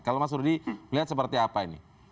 kalau mas rudy melihat seperti apa ini